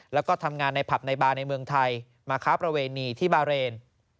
แล้วก็ทำงานในผับในบาร์ในเมืองไทยมาค้าประเวณีที่บาเรน